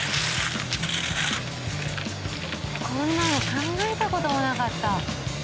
こんなの考えた事もなかった。